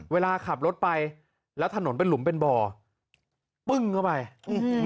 เวลาขับรถไปแล้วถนนเป็นหลุมเป็นบ่อปึ้งเข้าไปอืม